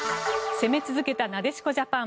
攻め続けたなでしこジャパン。